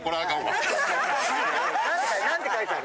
何て書いてある？